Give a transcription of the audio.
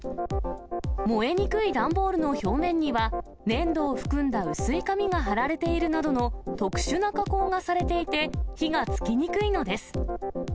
燃えにくい段ボールの表面には、粘土を含んだ薄い紙が貼られているなどの特殊な加工がされていて、火がつきにくいのです。